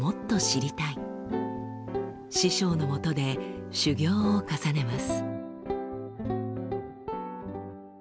師匠のもとで修業を重ねます。